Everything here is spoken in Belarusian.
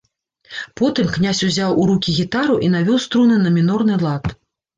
Потым князь узяў у рукі гітару і навёў струны на мінорны лад.